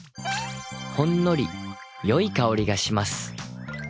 ほんのりよい香りがします。